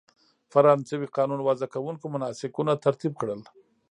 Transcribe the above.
فرانسوي قانون وضع کوونکو مناسکونه ترتیب کړل.